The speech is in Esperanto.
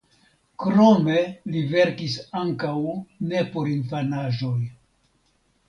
Krome li verkis ankaŭ neporinfanaĵoj.